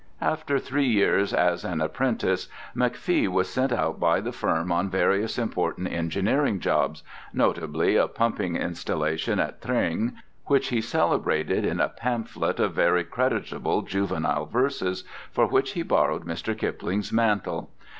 After three years as an apprentice, McFee was sent out by the firm on various important engineering jobs, notably a pumping installation at Tring, which he celebrated in a pamphlet of very creditable juvenile verses, for which he borrowed Mr. Kipling's mantle.